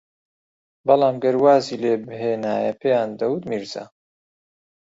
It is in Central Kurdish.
بەڵام گەر وازی لێبھێنایە پێیان دەوت میرزا